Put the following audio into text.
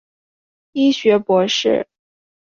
医学博士。